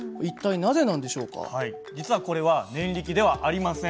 実はこれは念力ではありません。